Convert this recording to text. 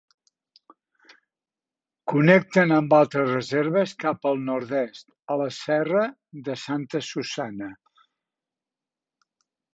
Connecten amb altres reserves cap al nord-est, a la serra de Santa Susana.